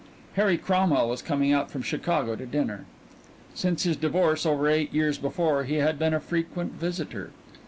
Harry Cromwell was coming out from Chicago to dinner. Since his divorce over eight years before he had been a frequent visitor.